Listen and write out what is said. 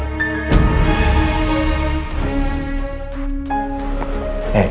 tidak ada alasan